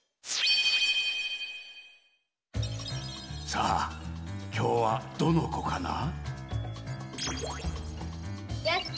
さあきょうはどのこかな？